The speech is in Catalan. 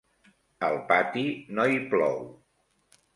Al pati no hi plou.